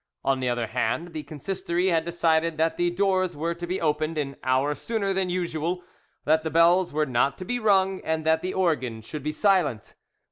On the other hand, the Consistory had decided that the doors were to be opened an hour sooner than usual, that the bells were not to be rung, and that the organ should be silent.